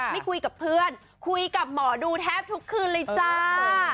ไม่คุยกับเพื่อนคุยกับหมอดูแทบทุกคืนเลยจ้า